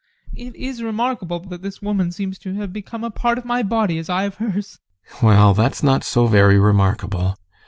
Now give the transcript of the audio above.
It is remarkable that this woman seems to have become a part of my body as I of hers. GUSTAV. Well, that's not so very remarkable.